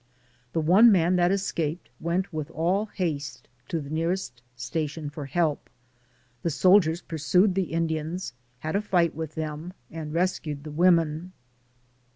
The one man that escaped went with all haste to the nearest station for help. The soldiers pursued the Indians, had a fight with them and rescued the women.